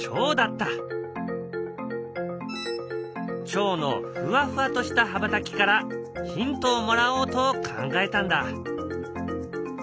チョウのふわふわとした羽ばたきからヒントをもらおうと考えたんだ。